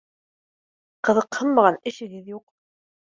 Ҡыҙыҡһынмаған эшегеҙ юҡ